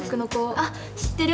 あっ知ってる！